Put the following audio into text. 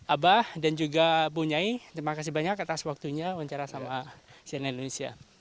abah dan juga bu nyai terima kasih banyak atas waktunya wawancara sama siena indonesia